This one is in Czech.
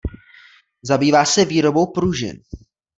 Zabývá se výrobou pružin.